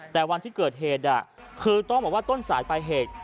แต่วันที่เกิดเหตุคือต้องบอกว่าต้นสายปลายเหตุ